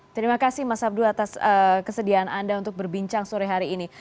terima kasih mas abdul atas kesediaan anda untuk berbincang sore hari ini